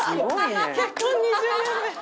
結婚２０年目！